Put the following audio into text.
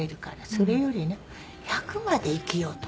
それよりね１００まで生きようと。